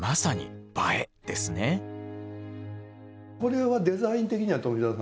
これはデザイン的には富澤さん？